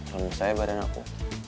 selama saya badan aku